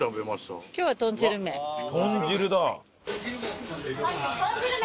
豚汁だ！